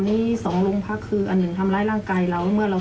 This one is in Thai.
อดีตคือ